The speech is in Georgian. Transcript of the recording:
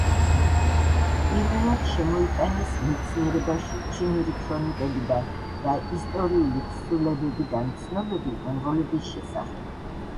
პირველად შემოიტანეს მეცნიერებაში ჩინური ქრონიკებიდან და ისტორიული თხზულებებიდან ცნობები მონღოლების შესახებ.